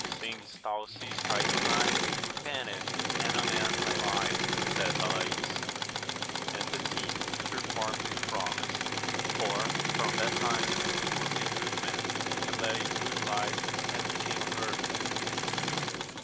Since thou seest thy crime, repent it, and amend thy life ! said Balays; and the thief performed his promise, for from that time he was a good man, and led a good Jife, and became aYieitmiV AMADIS OF GAUL.